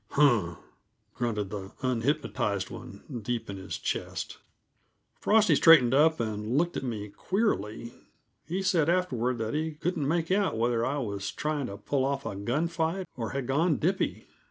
"Huh!" grunted the unhypnotized one, deep in his chest. Frosty straightened up and looked at me queerly; he said afterward that he couldn't make out whether I was trying to pull off a gun fight, or had gone dippy.